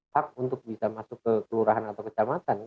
hak untuk bisa masuk ke kelurahan atau kecamatan